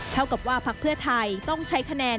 เท่ากับว่าพักเพื่อไทยต้องใช้คะแนน